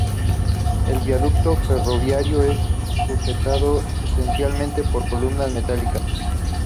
El viaducto ferroviario es sujetado esencialmente por columnas metálicas.